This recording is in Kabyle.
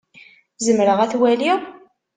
Zemreɣ ad t-waliɣ?